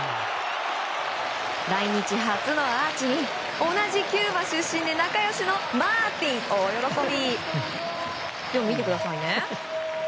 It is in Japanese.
来日初のアーチに同じキューバ出身で仲良しのマーティン、大喜び。